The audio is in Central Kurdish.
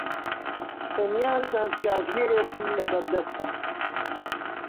تەنیا چەند کاتژمێرێکم لەبەردەستە.